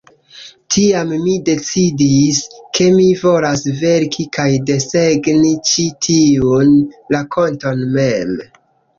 Tiam mi decidis, ke mi volas verki kaj desegni ĉi tiun rakonton mem.